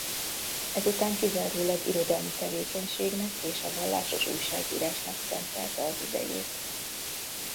Ezután kizárólag irodalmi tevékenységnek és a vallásos újságírásnak szentelte az idejét.